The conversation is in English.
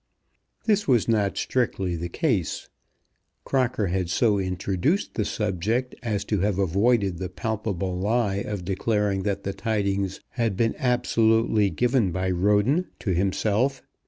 This was not strictly the case. Crocker had so introduced the subject as to have avoided the palpable lie of declaring that the tidings had been absolutely given by Roden to himself.